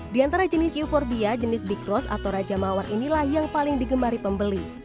di antara jenis euforbia jenis bikros atau raja mawar inilah yang paling digemari pembeli